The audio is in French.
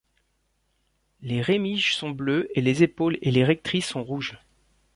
Les rémiges sont bleues et les épaules et les rectrices sont rouges.